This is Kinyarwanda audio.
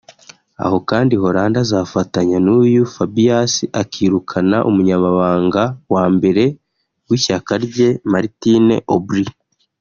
aho kandi Hollande azafatanya n’uyu Fabius akirukana umunyamabanga wa mbere w’ishyaka rye Martine Aubry